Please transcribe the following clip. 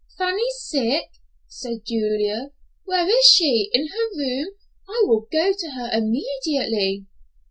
"Fanny sick," said Julia. "Where is she? In her room? I will go to her immediately."